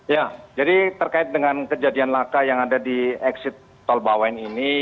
ya jadi terkait dengan kejadian laka yang ada di exit tol bawen ini